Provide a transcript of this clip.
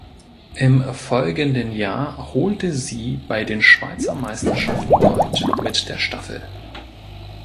Im folgenden Jahr holte sie bei den Schweizer Meisterschaften Gold mit der Staffel.